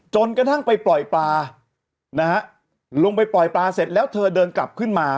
จนกระทั่งไปปล่อยปลานะฮะลงไปปล่อยปลาเสร็จแล้วเธอเดินกลับขึ้นมา